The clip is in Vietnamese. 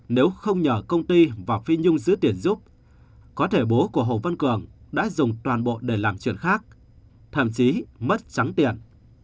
nếu không nhờ công ty và phi nhung giữ tiền giúp có thể bố của hồ văn cường đã dùng toàn bộ để làm chuyện khác thậm chí mất trắng tiền